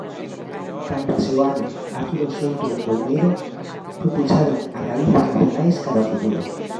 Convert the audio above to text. Canda Seoane, Arturo Souto ou Colmeiro, propulsaron as raíces nacionais cara ao futuro.